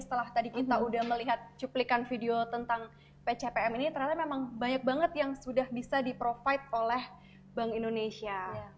setelah tadi kita udah melihat cuplikan video tentang pcpm ini ternyata memang banyak banget yang sudah bisa di provide oleh bank indonesia